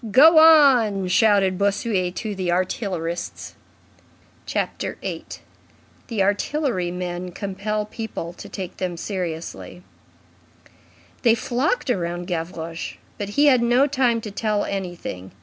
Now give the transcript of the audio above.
"Go on!" shouted Bossuet to the artillerists. CHAPTER VIII—THE ARTILLERY MEN COMPEL PEOPLE TO TAKE THEM SERIOUSLY They flocked round Gavroche. But he had no time to tell anything.